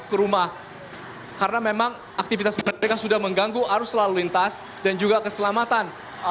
ke rumah karena memang aktivitas mereka sudah mengganggu arus lalu lintas dan juga keselamatan